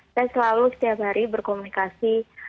saya selalu setiap hari berkomunikasi